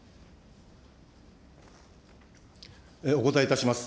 お答えいたします。